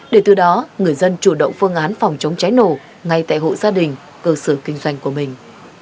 để từ đó người dân chủ động phương án phòng chống cháy nổ ngay tại hộ gia đình cơ sở kinh doanh của mình